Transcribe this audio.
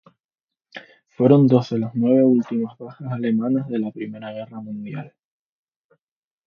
Fueron dos de las nueve últimas bajas alemanas de la Primera Guerra Mundial.